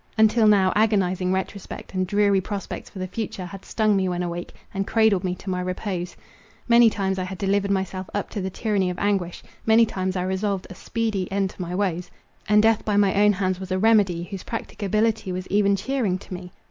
Until now, agonizing retrospect, and dreary prospects for the future, had stung me when awake, and cradled me to my repose. Many times I had delivered myself up to the tyranny of anguish— many times I resolved a speedy end to my woes; and death by my own hands was a remedy, whose practicability was even cheering to me.